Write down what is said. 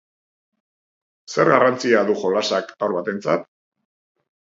Zer garrantzia du jolasak haur batentzat?